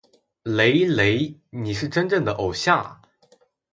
雷雷！你是真正的偶像啊！